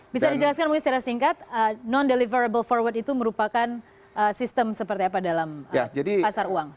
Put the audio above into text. bisa dijelaskan mungkin secara singkat non deliverable forward itu merupakan sistem seperti apa dalam pasar uang